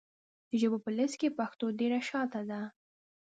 د ژبو په لېسټ کې پښتو ډېره شاته ده .